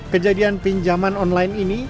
kejadian pinjaman online ini